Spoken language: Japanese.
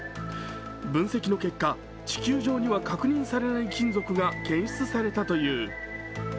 分析の結果、地球上には確認されない金属が検出されたという。